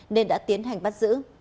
nên đã tiến hành bắt giữ